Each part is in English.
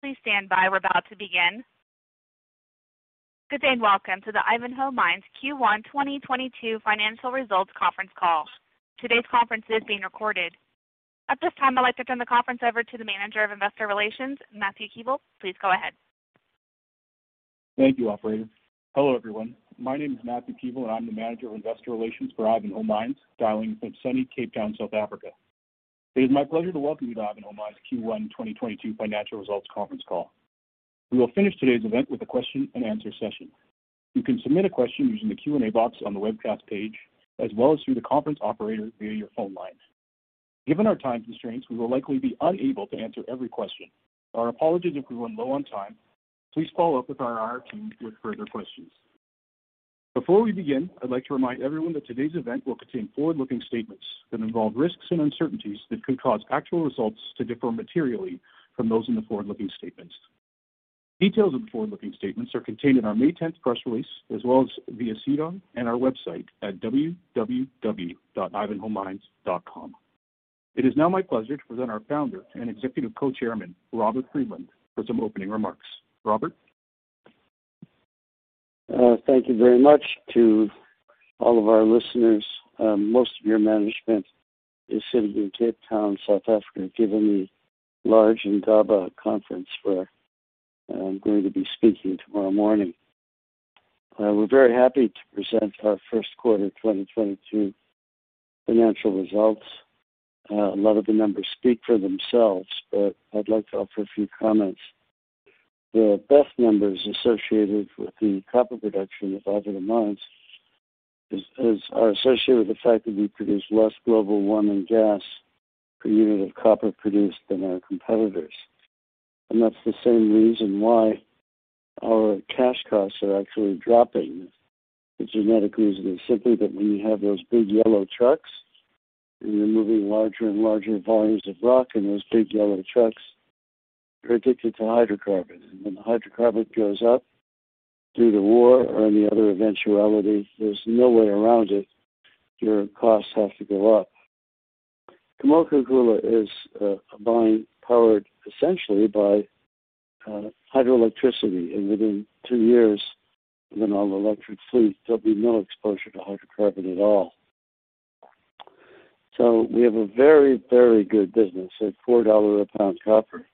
Please stand by. We're about to begin. Good day, and welcome to the Ivanhoe Mines Q1 2022 financial results conference call. Today's conference is being recorded. At this time, I'd like to turn the conference over to the manager of investor relations, Matthew Keevil. Please go ahead. Thank you, operator. Hello, everyone. My name is Matthew Keevil, and I'm the Manager of Investor Relations for Ivanhoe Mines, dialing from sunny Cape Town, South Africa. It is my pleasure to welcome you to Ivanhoe Mines Q1 2022 financial results conference call. We will finish today's event with a question-and-answer session. You can submit a question using the Q&A box on the webcast page, as well as through the conference operator via your phone line. Given our time constraints, we will likely be unable to answer every question. Our apologies if we run low on time. Please follow up with our IR team with further questions. Before we begin, I'd like to remind everyone that today's event will contain forward-looking statements that involve risks and uncertainties that could cause actual results to differ materially from those in the forward-looking statements. Details of the forward-looking statements are contained in our May tenth press release, as well as via SEDAR and our website at www.ivanhoemines.com. It is now my pleasure to present our Founder and Executive Co-Chairman, Robert Friedland, for some opening remarks. Robert. Thank you very much to all of our listeners. Most of your management is sitting in Cape Town, South Africa, given the large Indaba conference where I'm going to be speaking tomorrow morning. We're very happy to present our Q1 2022 financial results. A lot of the numbers speak for themselves, but I'd like to offer a few comments. The best numbers associated with the copper production of Ivanhoe Mines are associated with the fact that we produce less global warming gas per unit of copper produced than our competitors. That's the same reason why our cash costs are actually dropping, which is not a ruse. It is simply that when you have those big yellow trucks, and you're moving larger and larger volumes of rock, and those big yellow trucks are addicted to hydrocarbon. When the hydrocarbon goes up due to war or any other eventuality, there's no way around it, your costs have to go up. Kamoa-Kakula is a mine powered essentially by hydroelectricity. Within two years, with an all-electric fleet, there'll be no exposure to hydrocarbon at all. We have a very, very good business at $4 a pound copper,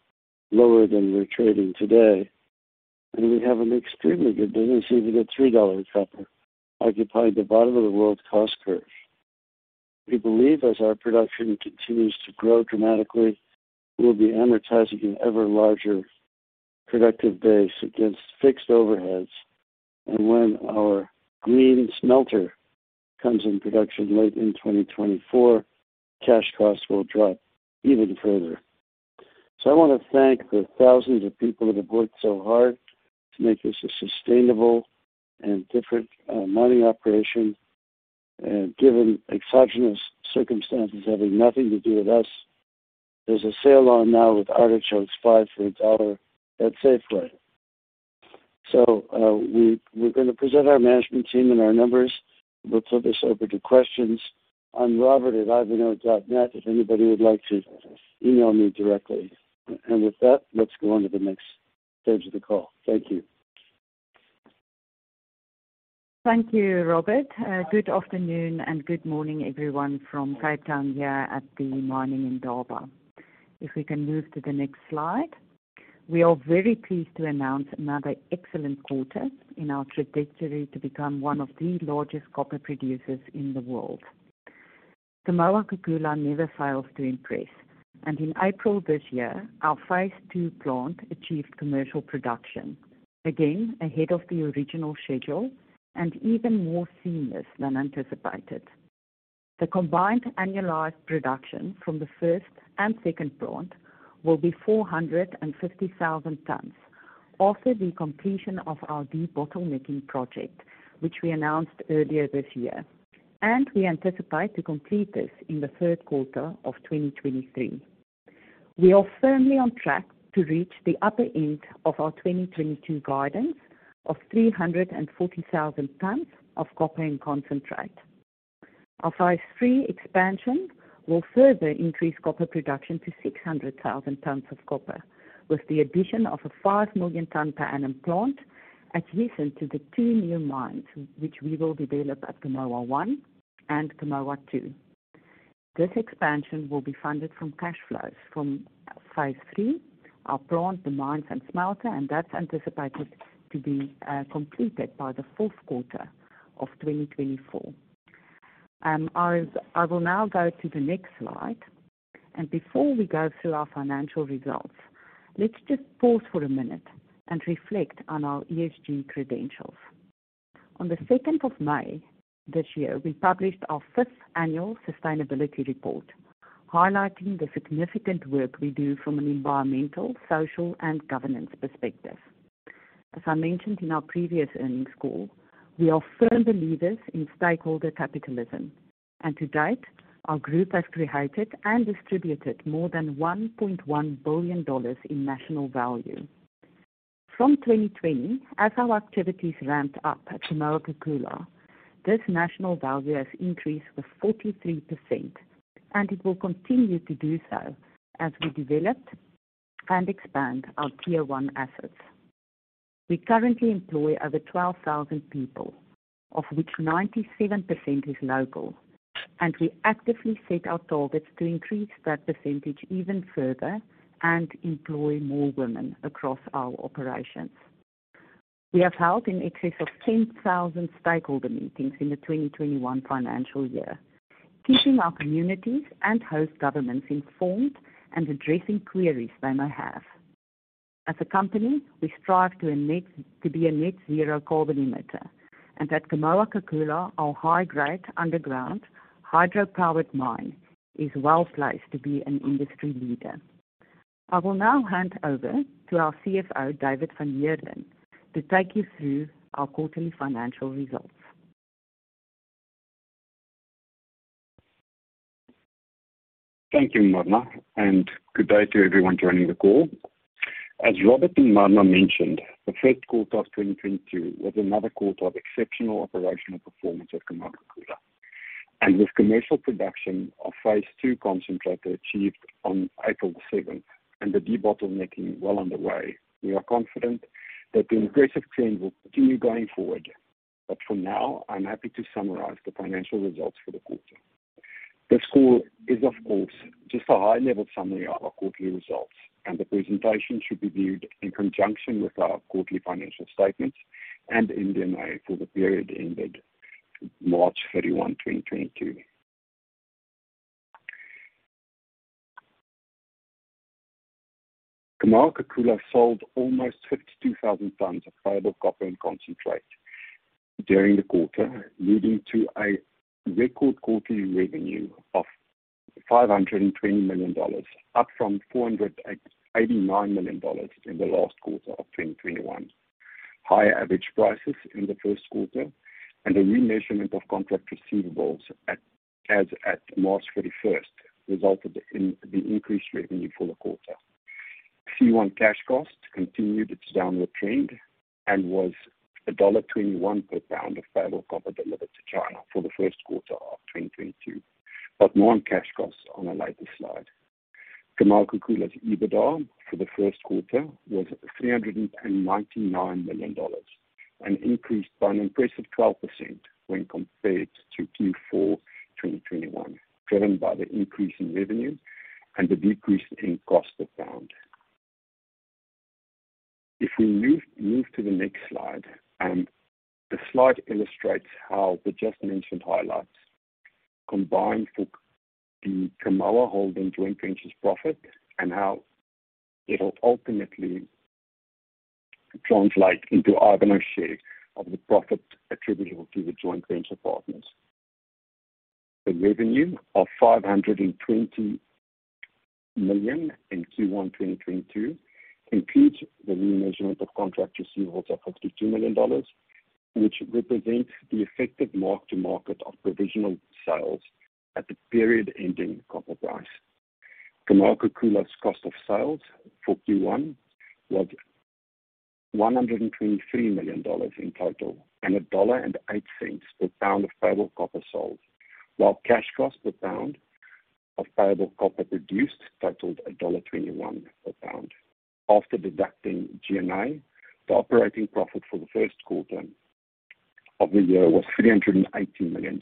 lower than we're trading today. We have an extremely good business even at $3 copper, occupying the bottom of the world's cost curve. We believe as our production continues to grow dramatically, we'll be amortizing an ever larger productive base against fixed overheads. When our green smelter comes in production late in 2024, cash costs will drop even further. I wanna thank the thousands of people that have worked so hard to make this a sustainable and different mining operation. Given exogenous circumstances having nothing to do with us, there's a sale on now with artichokes five for $1 at Safeway. We're gonna present our management team and our numbers. We'll flip this over to questions. I'm Robert@ivanhoe.net if anybody would like to email me directly. With that, let's go on to the next stage of the call. Thank you. Thank you, Robert. Good afternoon and good morning, everyone from Cape Town here at the Mining Indaba. If we can move to the next slide. We are very pleased to announce another excellent quarter in our trajectory to become one of the largest copper producers in the world. Kamoa-Kakula never fails to impress. In April this year, our Phase II plant achieved commercial production, again, ahead of the original schedule and even more seamless than anticipated. The combined annualized production from the first and second plant will be 450,000 tons after the completion of our debottlenecking project, which we announced earlier this year. We anticipate to complete this in the Q3 of 2023. We are firmly on track to reach the upper end of our 2022 guidance of 340,000 tons of copper and concentrate. Our Phase III expansion will further increase copper production to 600,000 tons of copper, with the addition of a 5 million ton per annum plant adjacent to the two new mines, which we will develop at Kamoa 1 and Kamoa 2. This expansion will be funded from cash flows from Phase III, our plant, the mines, and smelter, and that's anticipated to be completed by the Q4 of 2024. I will now go to the next slide. Before we go through our financial results, let's just pause for a minute and reflect on our ESG credentials. On the second of May this year, we published our fifth annual sustainability report, highlighting the significant work we do from an environmental, social, and governance perspective. As I mentioned in our previous earnings call, we are firm believers in stakeholder capitalism. To date, our group has created and distributed more than $1.1 billion in national value. From 2020, as our activities ramped up at Kamoa-Kakula, this national value has increased with 43%, and it will continue to do so as we develop and expand our tier one assets. We currently employ over 12,000 people, of which 97% is local. We actively set our targets to increase that percentage even further and employ more women across our operations. We have held in excess of 10,000 stakeholder meetings in the 2021 financial year, keeping our communities and host governments informed and addressing queries they may have. As a company, we strive to be a net zero carbon emitter, and at Kamoa-Kakula, our high-grade underground hydro-powered mine is well placed to be an industry leader. I will now hand over to our CFO, David van Heerden, to take you through our quarterly financial results. Thank you, Marna, and good day to everyone joining the call. As Robert and Marna mentioned, the Q1 of 2022 was another quarter of exceptional operational performance at Kamoa-Kakula. With commercial production of Phase II concentrate achieved on April 7 and the debottlenecking well underway, we are confident that the impressive trend will continue going forward. For now, I'm happy to summarize the financial results for the quarter. This call is, of course, just a high-level summary of our quarterly results, and the presentation should be viewed in conjunction with our quarterly financial statements and MD&A for the period ended March 31, 2022. Kamoa-Kakula sold almost 52,000 tons of payable copper and concentrate during the quarter, leading to a record quarterly revenue of $520 million, up from $489 million in the last quarter of 2021. Higher average prices in the Q1 and a remeasurement of contract receivables as at March 31 resulted in the increased revenue for the quarter. C1 cash costs continued its downward trend and was $21 per pound of payable copper delivered to China for the Q1 of 2022. More on cash costs on a later slide. Kamoa-Kakula's EBITDA for the Q1 was $399 million and increased by an impressive 12% when compared to Q4 2021, driven by the increase in revenue and the decrease in cost per pound. If we move to the next slide, the slide illustrates how the just mentioned highlights combined for the Kamoa Holding joint venture's profit and how it'll ultimately translate into Ivanhoe's share of the profit attributable to the joint venture partners. The revenue of $520 million in Q1 2022 includes the remeasurement of contract receivables of $52 million, which represents the effective mark to market of provisional sales at the period ending copper price. Kamoa-Kakula's cost of sales for Q1 was $123 million in total, and $1.08 per pound of payable copper sold. While cash cost per pound of payable copper produced totaled $1.21 per pound. After deducting G&A, the operating profit for the Q1 of the year was $380 million.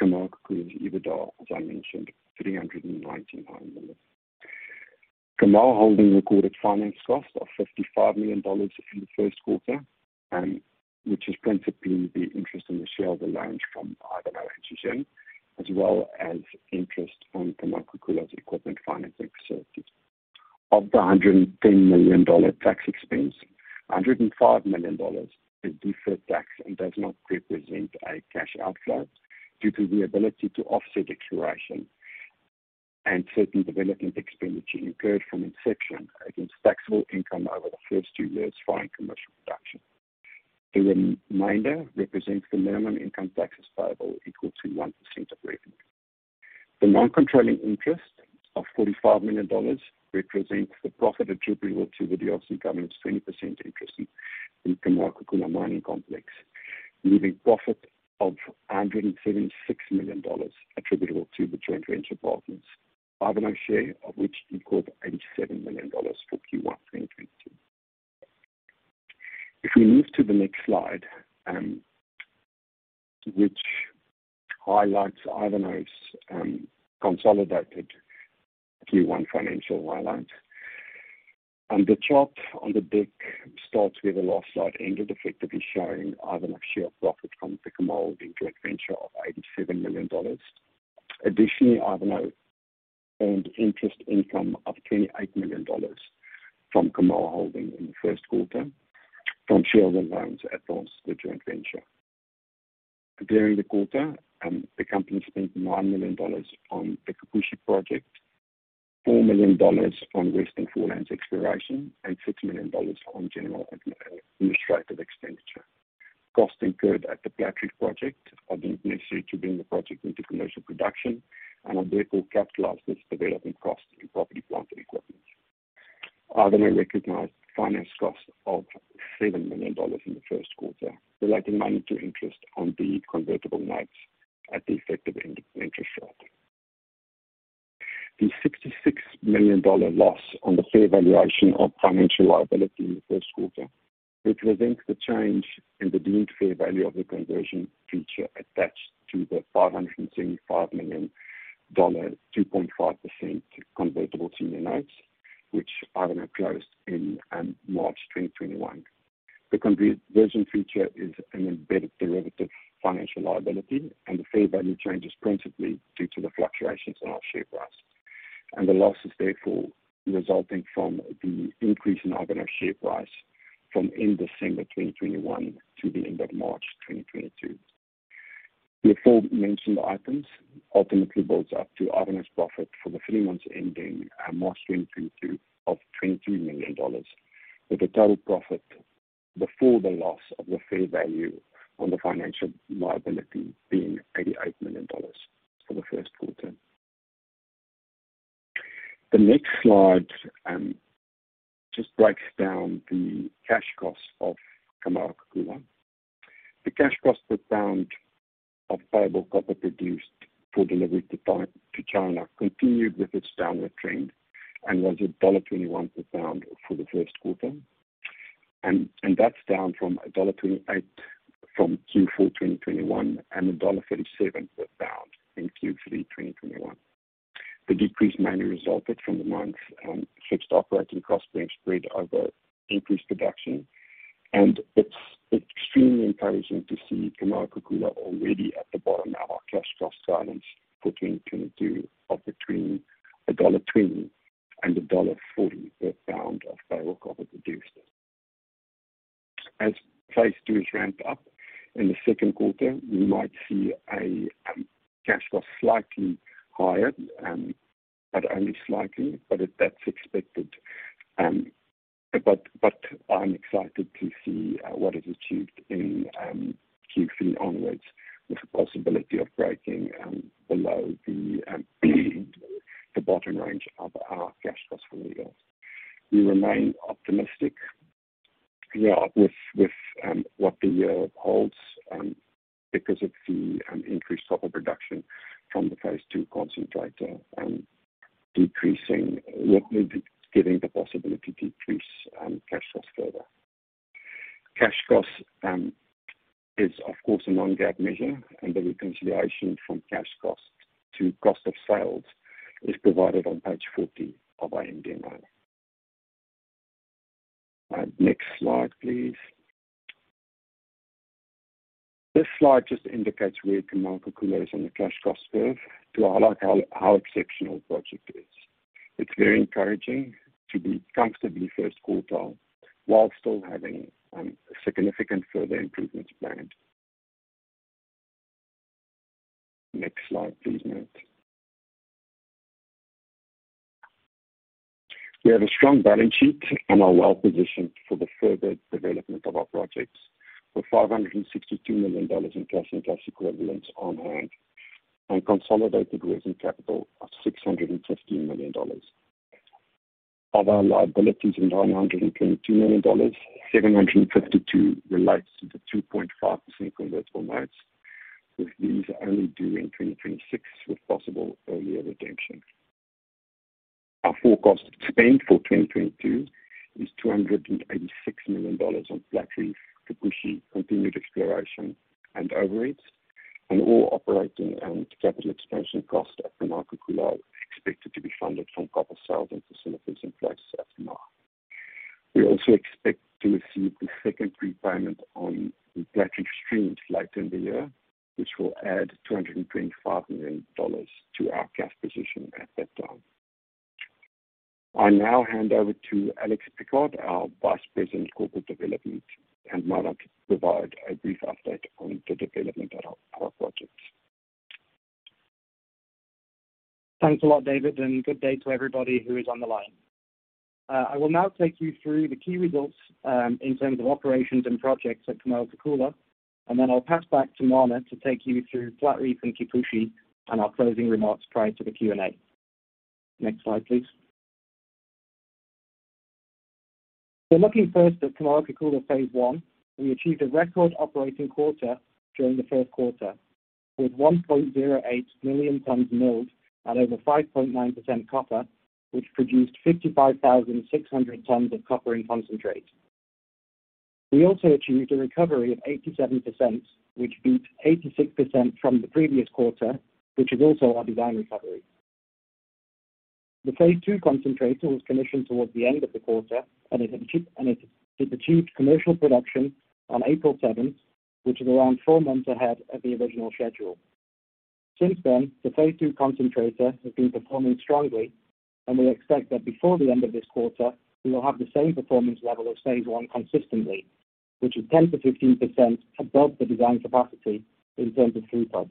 Kamoa-Kakula's EBITDA, as I mentioned, $399 million. Kamoa Holding recorded finance costs of $55 million in the Q1, which is principally the interest on the shareholder loans from Ivanhoe and Zijin, as well as interest on Kamoa-Kakula's equipment financing facilities. Of the $110 million tax expense, $105 million is deferred tax and does not represent a cash outflow due to the ability to offset exploration and certain development expenditure incurred from inception against taxable income over the first two years following commercial production. The remainder represents the minimum income taxes payable equal to 1% of revenue. The non-controlling interest of $45 million represents the profit attributable to the DRC government's 20% interest in Kamoa-Kakula Copper Complex, leaving profit of $176 million attributable to the joint venture partners. Ivanhoe's share of which equal $87 million for Q1 2022. If we move to the next slide, which highlights Ivanhoe's consolidated Q1 financial highlights. The chart on the deck starts with a net loss, effectively showing Ivanhoe's share profit from the Kamoa Holding joint venture of $87 million. Additionally, Ivanhoe earned interest income of $28 million from Kamoa Holding in the Q1 from shareholder loans at the joint venture. During the quarter, the company spent $9 million on the Kipushi project, $4 million on Western Foreland exploration, and $6 million on general administrative expenditure. Costs incurred at the Platreef project are necessary to bring the project into commercial production and are therefore capitalized as development costs in property, plant, and equipment. Ivanhoe recognized finance costs of $7 million in the Q1, relating mainly to interest on the convertible notes at the effective interest rate. The $66 million loss on the fair valuation of financial liability in the Q1, which reflects the change in the deemed fair value of the conversion feature attached to the $575 million 2.5% convertible senior notes, which Ivanhoe closed in March 2021. The conversion feature is an embedded derivative financial liability, and the fair value changes principally due to the fluctuations in our share price. The loss is therefore resulting from the increase in Ivanhoe share price from end December 2021 to the end of March 2022. The aforementioned items ultimately builds up to Ivanhoe's profit for the three months ending March 2022 of $23 million, with a total profit before the loss of the fair value on the financial liability being $88 million for the Q1. The next slide just breaks down the cash costs of Kamoa-Kakula. The cash costs per pound of payable copper produced for delivery to China continued with its downward trend and was at $21 per pound for the Q1. That's down from $1.28 in Q4 2021 and $1.37 per pound in Q3 2021. The decrease mainly resulted from the monthly fixed operating costs being spread over increased production. It's extremely encouraging to see Kamoa-Kakula already at the bottom of our cash cost guidance for 2022 of between $1.20 and $1.40 per pound of payable copper produced. As Phase II is ramped up in the Q2, we might see a cash cost slightly higher, but only slightly. That's expected. I'm excited to see what is achieved in Q3 onwards with the possibility of breaking below the bottom range of our cash cost for the year. We remain optimistic, yeah, with what the year holds, because of the increased copper production from the Phase II concentrator, giving the possibility to decrease cash costs further. Cash costs is of course a non-GAAP measure, and the reconciliation from cash cost to cost of sales is provided on page 40 of our MD&A. Next slide, please. This slide just indicates where Kamoa-Kakula is on the cash cost curve to highlight how exceptional the project is. It's very encouraging to be comfortably first quartile while still having significant further improvements planned. Next slide, please, Matt. We have a strong balance sheet and are well-positioned for the further development of our projects, with $562 million in cash and cash equivalents on hand and consolidated raised capital of $615 million. Of our liabilities of $922 million, $752 million relates to the 2.5% convertible notes, with these only due in 2026, with possible earlier redemption. Our forecast spend for 2022 is $286 million on Platreef, Kipushi, continued exploration and overheads, and all operating and capital expansion costs at Kamoa-Kakula are expected to be funded from copper sales and facilities in place as of now. We also expect to receive the second prepayment on Platreef streams later in the year, which will add $225 million to our cash position at that time. I now hand over to Alex Pickard, our Vice President of Corporate Development, and Marna to provide a brief update on the development of our projects. Thanks a lot, David, and good day to everybody who is on the line. I will now take you through the key results, in terms of operations and projects at Kamoa-Kakula, and then I'll pass back to Marna to take you through Platreef and Kipushi and our closing remarks prior to the Q&A. Next slide, please. Looking first at Kamoa-Kakula Phase I, we achieved a record operating quarter during the Q1, with 1.08 million tons milled at over 5.9% copper, which produced 55,600 tons of copper in concentrate. We also achieved a recovery of 87%, which beat 86% from the previous quarter, which is also our design recovery. The Phase II concentrator was commissioned towards the end of the quarter, and it achieved commercial production on April 7, which is around 4 months ahead of the original schedule. Since then, the Phase II concentrator has been performing strongly, and we expect that before the end of this quarter, we will have the same performance level as Phase I consistently, which is 10%-15% above the design capacity in terms of throughput.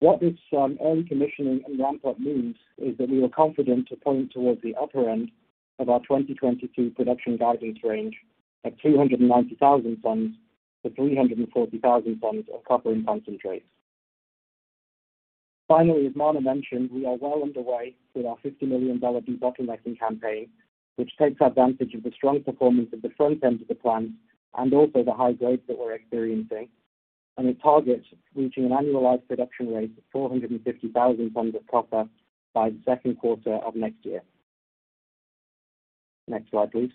What this early commissioning and ramp up means is that we are confident to point towards the upper end of our 2022 production guidance range of 340,000-390,000 tons of copper in concentrates. Finally, as Marna mentioned, we are well underway with our $50 million debottlenecking campaign, which takes advantage of the strong performance at the front end of the plant and also the high growth that we're experiencing. It targets reaching an annualized production rate of 450,000 tons of copper by the Q2 of next year. Next slide, please.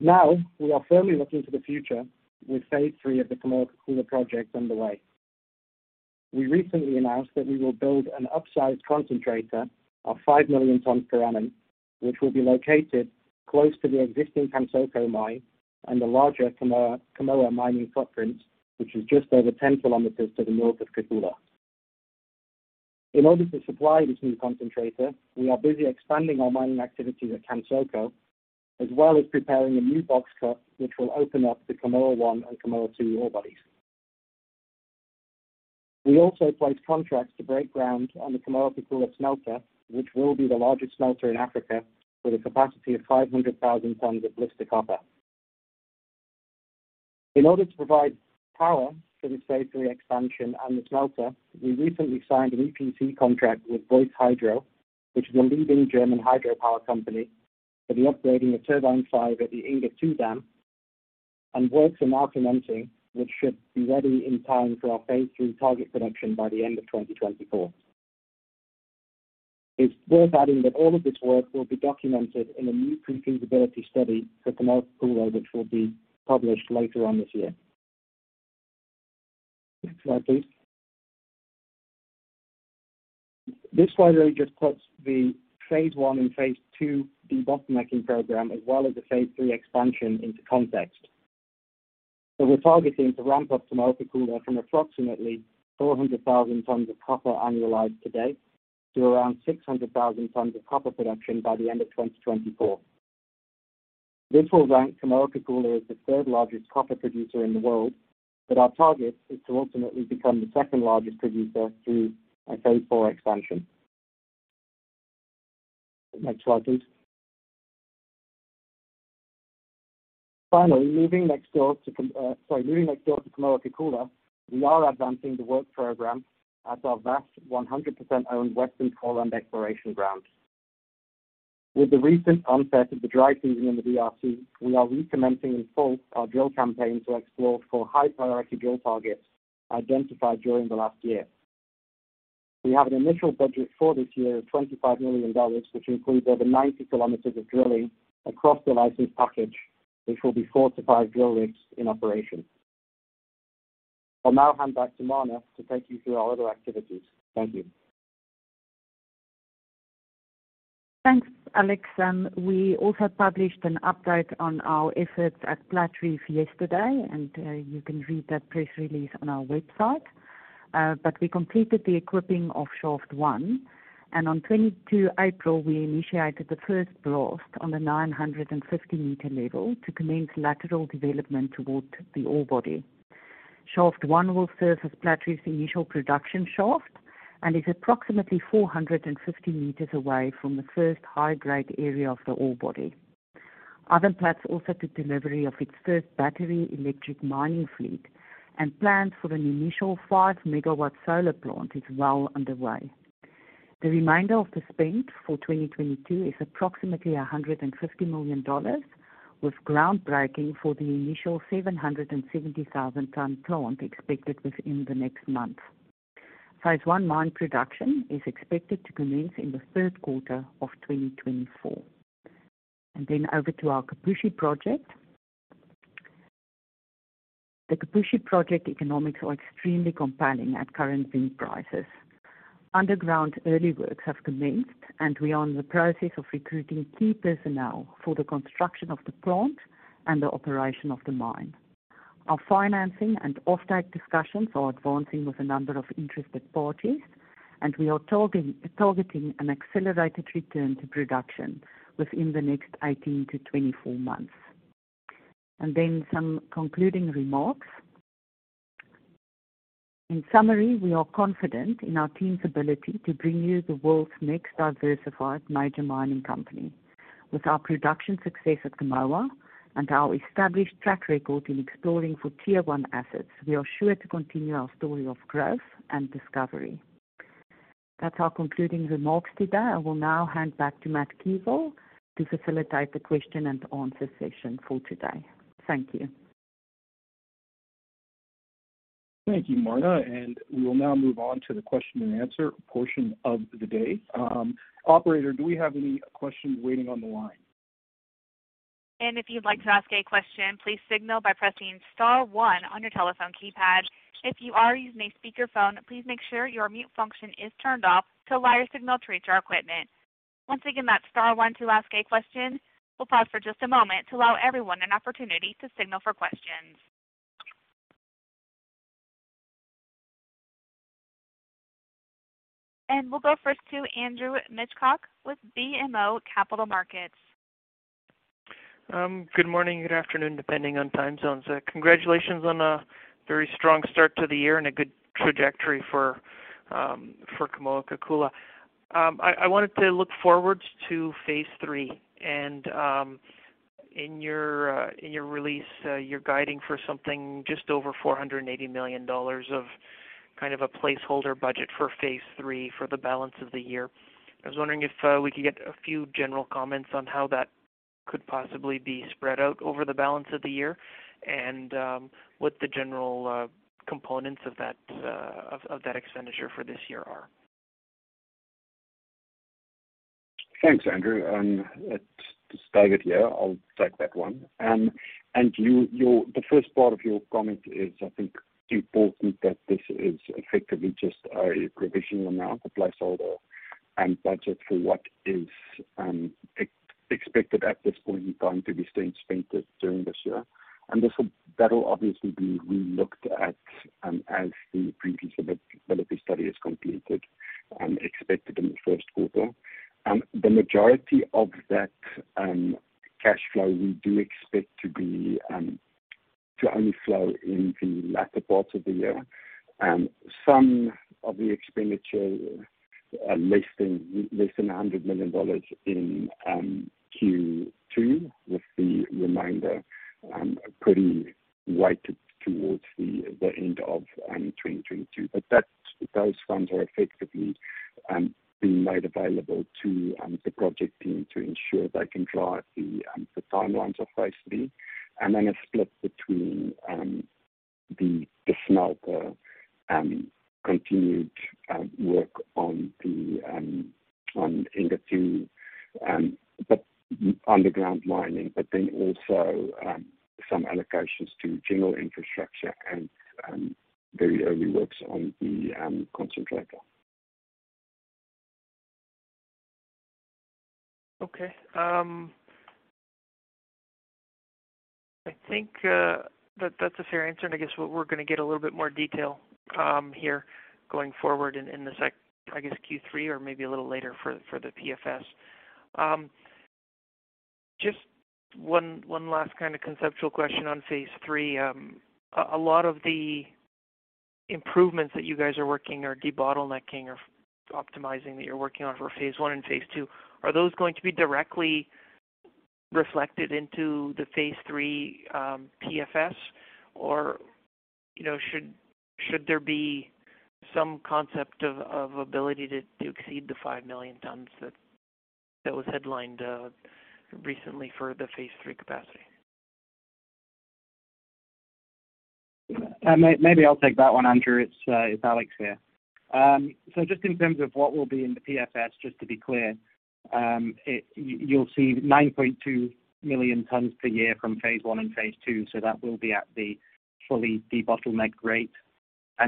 Now, we are firmly looking to the future with Phase III of the Kamoa-Kakula project underway. We recently announced that we will build an upsized concentrator of 5 million tons per annum, which will be located close to the existing Kamoa mine and the larger Kamoa mining footprint, which is just over 10 kilometers to the north of Kakula. In order to supply this new concentrator, we are busy expanding our mining activities at Kansoko, as well as preparing a new box cut, which will open up the Kamoa 1 and Kamoa 2 ore bodies. We also placed contracts to break ground on the Kamoa-Kakula smelter, which will be the largest smelter in Africa, with a capacity of 500,000 tons of blister copper. In order to provide power for this Phase III expansion and the smelter, we recently signed an EPC contract with Voith Hydro, which is a leading German hydropower company, for the upgrading of turbine 5 at the Inga 2 dam, and works are now commencing, which should be ready in time for our Phase III target production by the end of 2024. It's worth adding that all of this work will be documented in a new pre-feasibility study for Kamoa-Kakula, which will be published later on this year. Next slide, please. This slide really just puts the Phase I and Phase II debottlenecking program, as well as the Phase III expansion into context. We're targeting to ramp up Kamoa-Kakula from approximately 400,000 tons of copper annualized today to around 600,000 tons of copper production by the end of 2024. This will rank Kamoa-Kakula as the third-largest copper producer in the world, but our target is to ultimately become the second-largest producer through a Phase IV expansion. Next slide, please. Finally, moving next door to Kamoa-Kakula, we are advancing the work program at our vast 100% owned Western Foreland exploration grounds. With the recent onset of the dry season in the DRC, we are recommencing in full our drill campaign to explore for high-priority drill targets identified during the last year. We have an initial budget for this year of $25 million, which includes over 90 kilometers of drilling across the license package, which will be 4-5 drill rigs in operation. I'll now hand back to Marna to take you through our other activities. Thank you. Thanks, Alex. We also published an update on our efforts at Platreef yesterday, and you can read that press release on our website. We completed the equipping of shaft 1, and on 22 April, we initiated the first blast on the 950-meter level to commence lateral development toward the ore body. Shaft 1 will serve as Platreef's initial production shaft and is approximately 450 meters away from the first high-grade area of the ore body. Ivanplats also took delivery of its first battery electric mining fleet, and plans for an initial 5-MW solar plant is well underway. The remainder of the spend for 2022 is approximately $150 million, with groundbreaking for the initial 770,000-ton plant expected within the next month. Phase 1 mine production is expected to commence in the Q3 of 2024. Over to our Kipushi project. The Kipushi project economics are extremely compelling at current zinc prices. Underground early works have commenced, and we are in the process of recruiting key personnel for the construction of the plant and the operation of the mine. Our financing and offtake discussions are advancing with a number of interested parties, and we are targeting an accelerated return to production within the next 18-24 months. Some concluding remarks. In summary, we are confident in our team's ability to bring you the world's next diversified major mining company. With our production success at Kamoa and our established track record in exploring for tier one assets, we are sure to continue our story of growth and discovery. That's our concluding remarks today. I will now hand back to Matthew Keevil to facilitate the question and answer session for today. Thank you. Thank you, Marna. We will now move on to the question and answer portion of the day. Operator, do we have any questions waiting on the line? If you'd like to ask a question, please signal by pressing star one on your telephone keypad. If you are using a speakerphone, please make sure your mute function is turned off to allow your signal to reach our equipment. Once again, that's star one to ask a question. We'll pause for just a moment to allow everyone an opportunity to signal for questions. We'll go first to Andrew Mikitchook with BMO Capital Markets. Good morning, good afternoon, depending on time zones. Congratulations on a very strong start to the year and a good trajectory for Kamoa-Kakula. I wanted to look forward to Phase III. In your release, you're guiding for something just over $480 million of kind of a placeholder budget for Phase III for the balance of the year. I was wondering if we could get a few general comments on how that could possibly be spread out over the balance of the year and what the general components of that expenditure for this year are. Thanks, Andrew. It's David here. I'll take that one. The first part of your comment is, I think, important that this is effectively just a provisional amount, a placeholder and budget for what is expected at this point in time to be spent during this year. That'll obviously be relooked at as the pre-feasibility study is completed, expected in the Q1. The majority of that cash flow, we do expect to be to only flow in the latter part of the year. Some of the expenditure less than $100 million in Q2, with the remainder pretty weighted towards the end of 2022. Those funds are effectively being made available to the project team to ensure they can drive the timelines of Phase III. A split between the smelter, continued work on Inga 2, but underground mining, but then also some allocations to general infrastructure and very early works on the concentrator. Okay. I think that that's a fair answer. I guess we're gonna get a little bit more detail here going forward in Q3 or maybe a little later for the PFS. Just one last kind of conceptual question on Phase III. A lot of the improvements that you guys are working or debottlenecking or optimizing that you're working on for Phase I and Phase II, are those going to be directly reflected into the Phase III PFS? Or should there be some concept of ability to exceed the 5 million tons that was headlined recently for the Phase III capacity? Maybe I'll take that one, Andrew. It's Alex here. So just in terms of what will be in the PFS, just to be clear, you'll see 9.2 million tons per year from Phase I and Phase II, so that will be at the fully debottlenecked rate.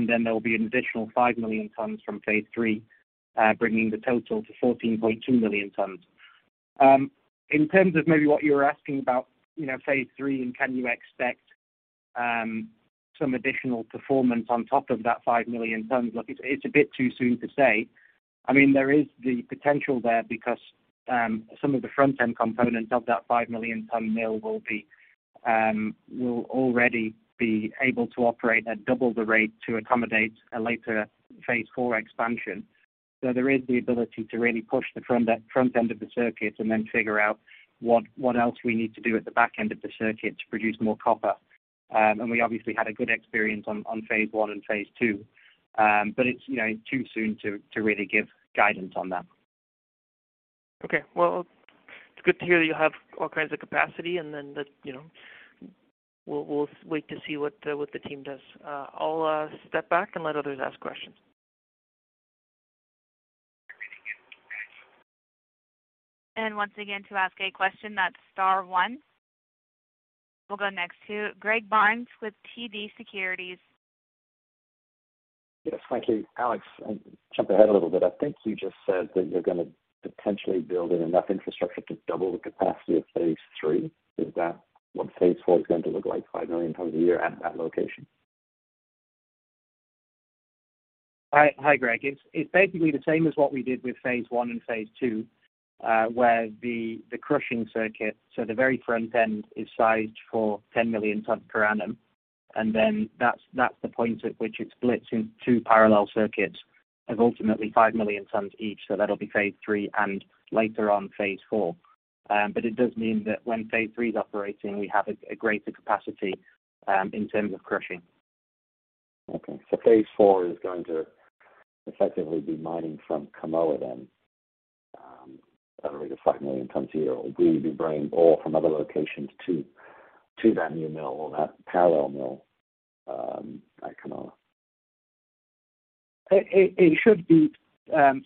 Then there will be an additional 5 million tons from Phase III, bringing the total to 14.2 million tons. In terms of maybe what you're asking about Phase III, and can you expect some additional performance on top of that 5 million tons? Look, it's a bit too soon to say. I mean, there is the potential there because some of the front-end components of that 5 million ton mill will already be able to operate at double the rate to accommodate a later Phase IV expansion. There is the ability to really push the front end of the circuit and then figure out what else we need to do at the back end of the circuit to produce more copper. We obviously had a good experience on Phase I and Phase II. It's too soon to really give guidance on that. Okay. Well, it's good to hear that you have all kinds of capacity and then that we'll wait to see what the team does. I'll step back and let others ask questions. Once again, to ask a question, that's star one. We'll go next to Greg Barnes with TD Securities. Yes, thank you. Alex, to jump ahead a little bit, I think you just said that you're gonna potentially build in enough infrastructure to double the capacity of Phase III. Is that what Phase IV is going to look like, 5 million tons a year at that location? Hi. Hi, Greg. It's basically the same as what we did with Phase I and Phase II, where the crushing circuit, so the very front end is sized for 10 million tons per annum. That's the point at which it splits in two parallel circuits of ultimately 5 million tons each. That'll be Phase III and later on Phase IV. It does mean that when Phase III is operating, we have a greater capacity in terms of crushing. Okay. Phase IV is going to effectively be mining from Kamoa then at a rate of 5 million tons a year. Will you be bringing ore from other locations to that new mill or that parallel mill at Kamoa? It should be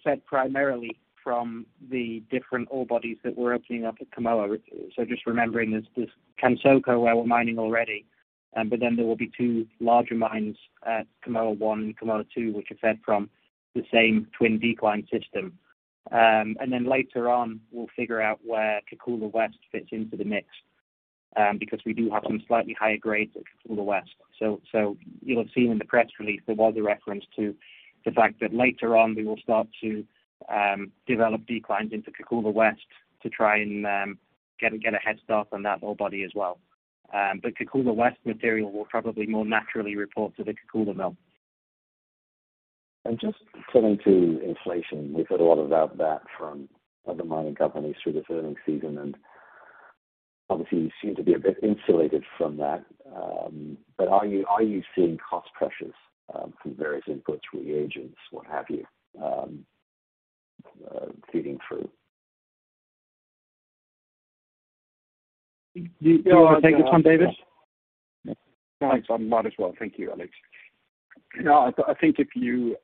fed primarily from the different ore bodies that we're opening up at Kamoa. Just remembering there's Kansoko, where we're mining already, but then there will be 2 larger mines at Kamoa 1 and Kamoa 2, which are fed from the same twin decline system. Later on, we'll figure out where Kakula West fits into the mix. Because we do have some slightly higher grades at Kakula West. You'll have seen in the press release, there was a reference to the fact that later on we will start to develop declines into Kakula West to try and get a head start on that ore body as well. Kakula West material will probably more naturally report to the Kakula mill. Just turning to inflation, we've heard a lot about that from other mining companies through this earnings season, and obviously you seem to be a bit insulated from that. Are you seeing cost pressures from various inputs, reagents, what have you, feeding through? Do you want to take this one, David? Thanks. I might as well. Thank you, Alex. No, I think if you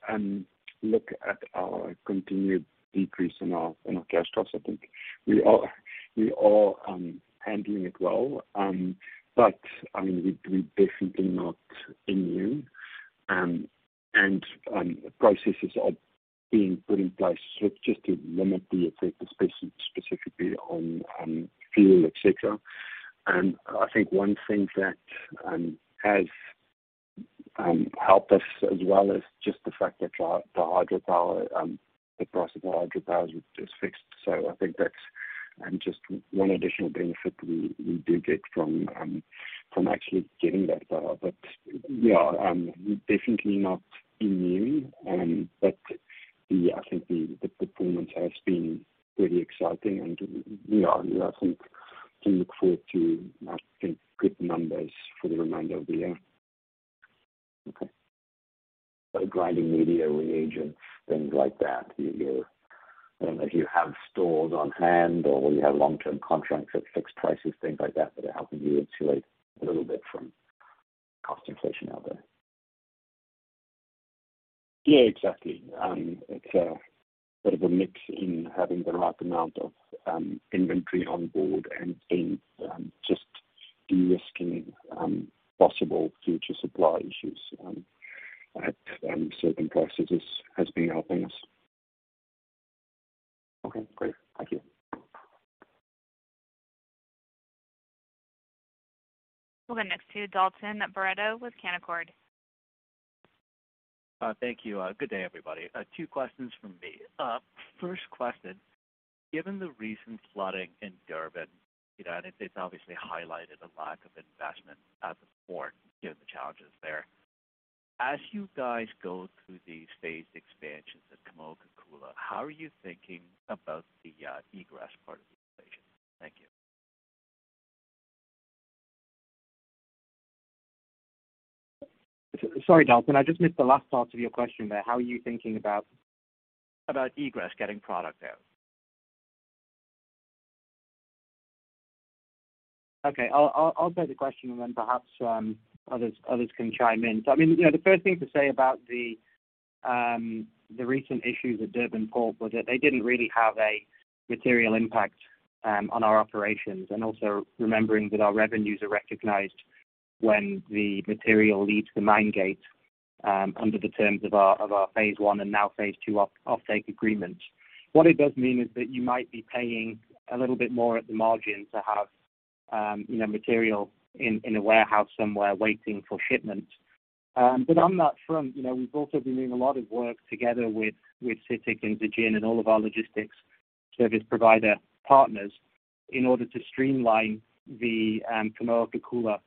look at our continued decrease in our cash costs, I think we are handling it well. But I mean, we're definitely not immune. Processes are being put in place just to limit the effect specifically on fuel, et cetera. I think one thing that has helped us as well is just the fact that our the hydropower the price of the hydropower is just fixed. I think that's just one additional benefit we do get from actually getting that power. Yeah, we're definitely not immune. I think the performance has been pretty exciting and I think can look forward to good numbers for the remainder of the year. Okay. Grinding media, reagents, things like that. I don't know if you have stores on hand or you have long-term contracts at fixed prices, things like that are helping you insulate a little bit from cost inflation out there. Yeah, exactly. It's a bit of a mix in having the right amount of inventory on board and then just de-risking possible future supply issues at certain prices has been helping us. Okay, great. Thank you. We'll go next to Dalton Baretto with Canaccord Genuity. Thank you. Good day, everybody. Two questions from me. First question, given the recent flooding in Durban and it's obviously highlighted a lack of investment as a port, given the challenges there. As you guys go through the phased expansions at Kamoa-Kakula, how are you thinking about the egress part of the equation? Thank you. Sorry, Dalton, I just missed the last part of your question there. How are you thinking about? About egress, getting product out. Okay. I'll pose the question and then perhaps others can chime in. I mean the first thing to say about the recent issues at Durban Port was that they didn't really have a material impact on our operations, and also remembering that our revenues are recognized when the material leaves the mine gate under the terms of our Phase I and now Phase II offtake agreement. What it does mean is that you might be paying a little bit more at the margin to have material in a warehouse somewhere waiting for shipment. On that front we've also been doing a lot of work together with CITIC and Zijin and all of our logistics service provider partners in order to streamline the Kamoa-Kakula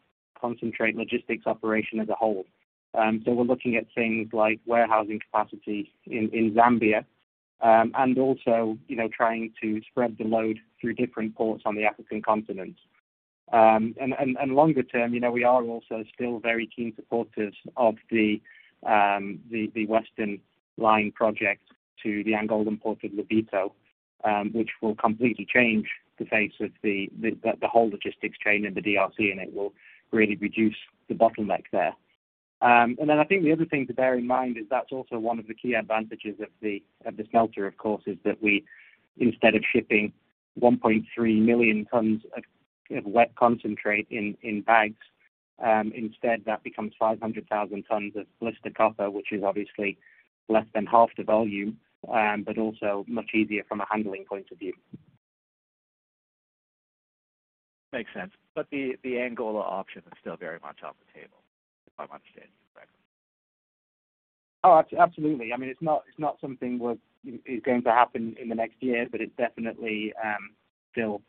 concentrate logistics operation as a whole. We're looking at things like warehousing capacity in Zambia and also trying to spread the load through different ports on the African continent. Longer term we are also still very keen supporters of the Western Line project to the Angolan port of Lobito, which will completely change the face of the whole logistics chain in the DRC, and it will really reduce the bottleneck there. I think the other thing to bear in mind is that's also one of the key advantages of the smelter, of course, is that we instead of shipping 1.3 million tons of wet concentrate in bags, instead that becomes 500,000 tons of blister copper, which is obviously less than half the volume, but also much easier from a handling point of view. Makes sense. The Angola option is still very much on the table, if I understand you correctly. Oh, absolutely. I mean, it's not something where is going to happen in the next year, but it's definitely still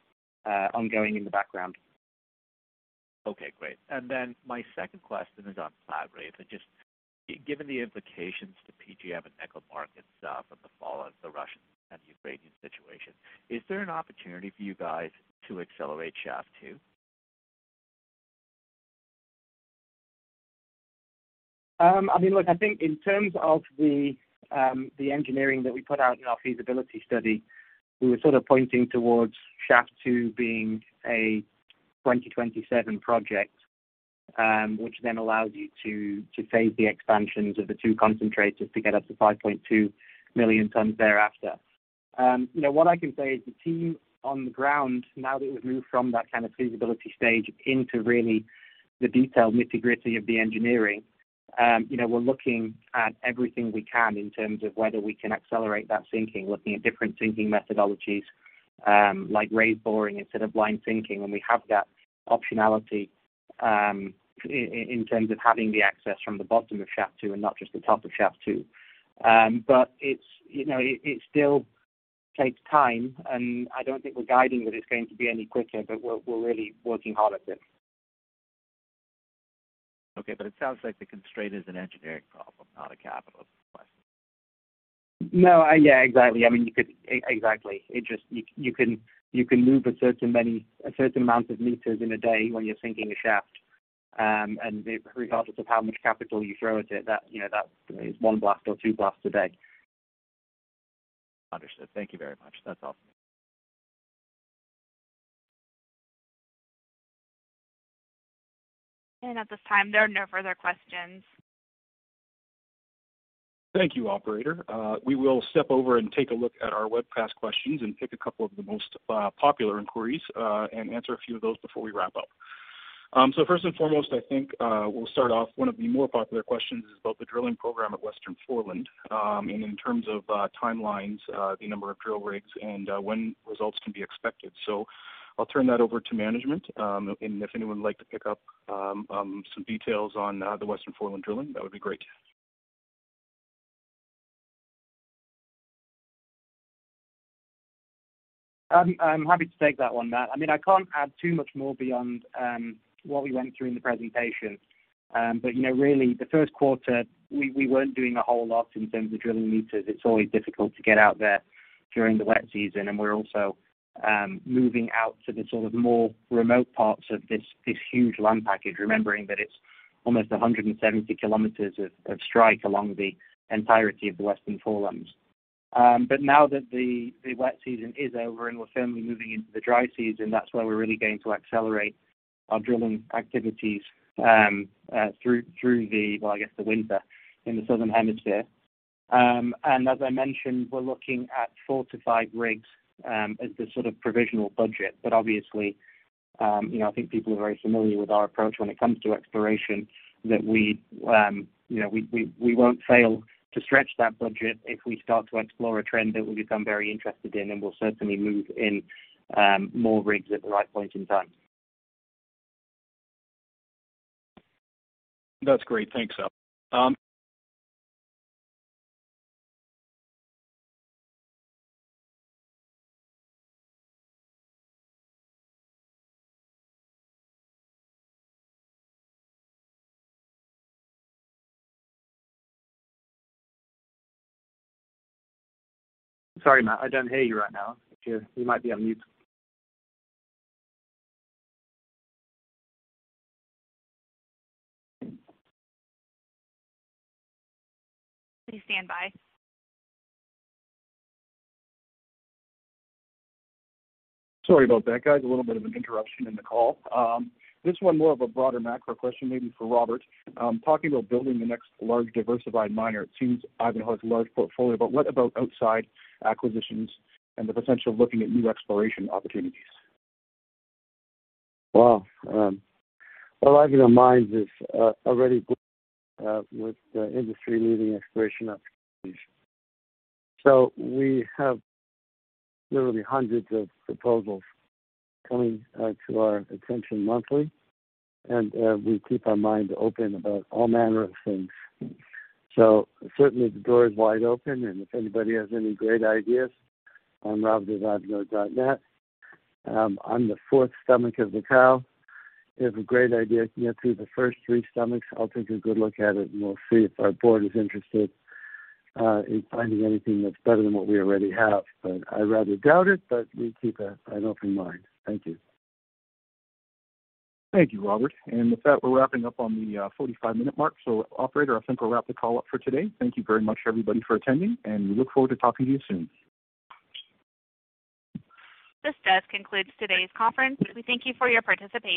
ongoing in the background. Okay, great. My second question is on Platreef. Just given the implications to PGM and nickel markets from the fall of the Russian and the Ukrainian situation, is there an opportunity for you guys to accelerate Shaft 2? I mean, look, I think in terms of the engineering that we put out in our feasibility study, we were sort of pointing towards shaft two being a 2027 project, which then allows you to phase the expansions of the two concentrators to get up to 5.2 million tons thereafter. what I can say is the team on the ground, now that we've moved from that kind of feasibility stage into really the detailed nitty-gritty of the engineering. we're looking at everything we can in terms of whether we can accelerate that sinking, looking at different sinking methodologies, like raise boring instead of blind sinking. We have that optionality in terms of having the access from the bottom of shaft two and not just the top of shaft two. It's it still takes time, and I don't think we're guiding that it's going to be any quicker, but we're really working hard at this. Okay. It sounds like the constraint is an engineering problem, not a capital question. You can move a certain amount of meters in a day when you're sinking a shaft. Regardless of how much capital you throw at it, that is one blast or two blasts a day. Understood. Thank you very much. That's all. At this time, there are no further questions. Thank you, operator. We will step over and take a look at our webcast questions and pick a couple of the most popular inquiries and answer a few of those before we wrap up. First and foremost, I think we'll start off one of the more popular questions is about the drilling program at Western Foreland and in terms of timelines the number of drill rigs and when results can be expected. I'll turn that over to management. If anyone would like to pick up some details on the Western Foreland drilling, that would be great. I'm happy to take that one, Matt. I mean, I can't add too much more beyond what we went through in the presentation. really, the Q1, we weren't doing a whole lot in terms of drilling meters. It's always difficult to get out there during the wet season. We're also moving out to the sort of more remote parts of this huge land package, remembering that it's almost 170 km of strike along the entirety of the Western Foreland. Now that the wet season is over and we're firmly moving into the dry season, that's where we're really going to accelerate our drilling activities through the winter in the Southern Hemisphere. As I mentioned, we're looking at 4-5 rigs as the sort of provisional budget. Obviously I think people are very familiar with our approach when it comes to exploration, that we won't fail to stretch that budget if we start to explore a trend that we become very interested in, and we'll certainly move in more rigs at the right point in time. That's great. Thanks, Al. Sorry, Matt. I don't hear you right now. You might be on mute. Please stand by. Sorry about that, guys. A little bit of an interruption in the call. This is more of a broader macro question maybe for Robert. Talking about building the next large diversified miner, it seems Ivanhoe has a large portfolio, but what about outside acquisitions and the potential of looking at new exploration opportunities? Well, Ivanhoe Mines is already with the industry-leading exploration opportunities. We have literally hundreds of proposals coming to our attention monthly, and we keep our mind open about all manner of things. Certainly the door is wide open, and if anybody has any great ideas, I'm rob@ivanhoe.net. I'm the fourth stomach of the cow. If a great idea can get through the first three stomachs, I'll take a good look at it, and we'll see if our board is interested in finding anything that's better than what we already have. I rather doubt it, but we keep an open mind. Thank you. Thank you, Robert. With that, we're wrapping up on the 45-minute mark. Operator, I think we'll wrap the call up for today. Thank you very much, everybody, for attending, and we look forward to talking to you soon. This does conclude today's conference. We thank you for your participation.